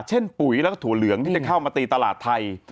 ปุ๋ยแล้วก็ถั่วเหลืองที่จะเข้ามาตีตลาดไทย